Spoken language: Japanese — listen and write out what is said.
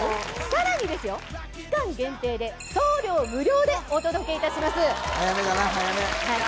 さらにですよ期間限定で送料無料でお届けいたします。